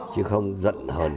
chứ không giận hờn